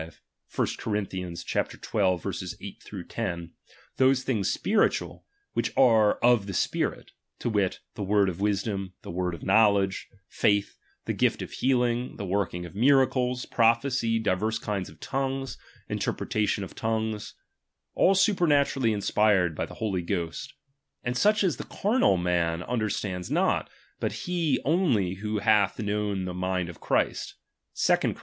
5: I Cor.xii.8 10) those things *pjr(7««/, which are of the spirit, to wit, the word of wisdom, the word of knotcledge, faith, the gift of healing, the working of miracles, prophecy, dirers kind of tongues, interpretation of tongues ; all super naturaUy inspired by the Holy Ghost, and such as the carnal man understands not, but he only who hath known the mind of Christ (2 Cor.